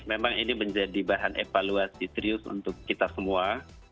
memang ini menjadi bahan evaluasi serius untuk kita semua